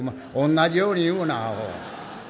「同じように言うなアホ」。